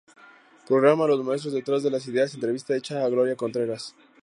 Programa "Los maestros detrás de las ideas", entrevista hecha a Gloria Contreras.